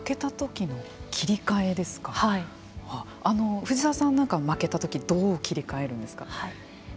藤沢さんなんかは負けた時どう切り替えるんですか。